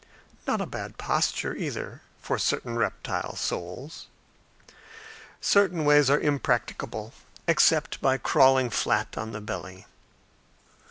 Not a bad posture, either, for certain reptile souls. Certain ways are impracticable, except by crawling flat on the belly.